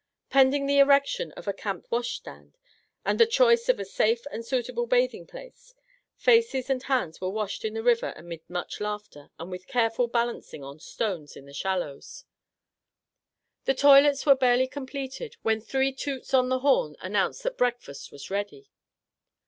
Pending the erection of a " camp wash stand," and the choice of a safe and suitable bathing place, faces and hands were washed in the river amid much laughter, and with careful balancing on stones in the shallows. The Our Little Canadian Cousin 57 toilets were barely completed when three toots on the horn announced that breakfast was ready.